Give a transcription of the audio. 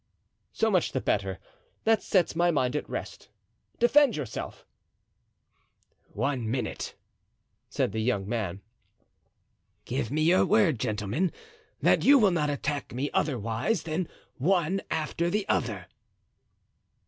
"So much the better; that sets my mind at rest. Defend yourself." "One minute," said the young man. "Give me your word, gentlemen, that you will not attack me otherwise than one after the other."